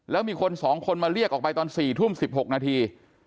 แล้วมีคน๒คนมาเรียกออกไปตอน๔ทุ่ม๑๖นาที